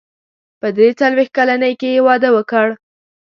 په درې څلوېښت کلنۍ کې يې واده وکړ.